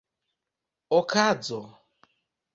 okazo